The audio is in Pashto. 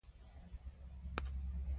غازيان تږي او ستړي وو.